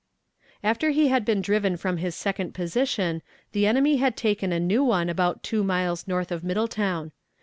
After he had been driven from his second position, the enemy had taken a new one about two miles north of Middletown.